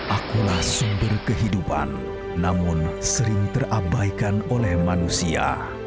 akulah sumber kehidupan namun sering terabaikan oleh manusia